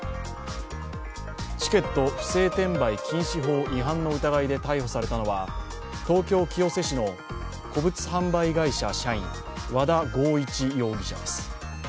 チケット不正転売禁止法違反の疑いで逮捕されたのは東京・清瀬市の古物販売会社社員、和田剛一容疑者です。